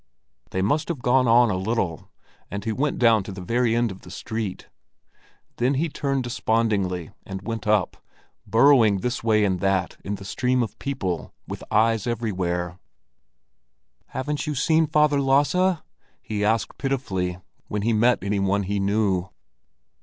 They must have gone on a little, and he went down to the very end of the street. Then he turned despondingly and went up, burrowing this way and that in the stream of people, with eyes everywhere. "Haven't you seen Father Lasse?" he asked pitifully, when he met any one he knew.